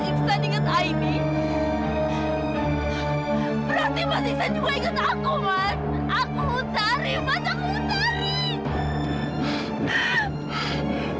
aku mau tarik mas aku mau tarik